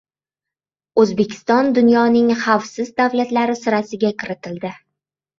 O‘zbekiston dunyoning xavfsiz davlatlari sirasiga kiritildi